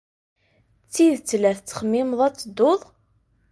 D tidet la tettxemmimeḍ ad tedduḍ?